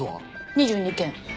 ２２件！？